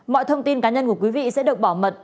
mọi thông tin cá nhân của quý vị sẽ được bảo mật